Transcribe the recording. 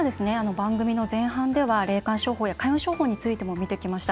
番組の前半では霊感商法や開運商法についても見てきました。